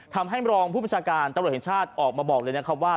ทำให้รองผู้ประชาการตำรวจแห่งชาติออกมาบอกเลยนะครับว่า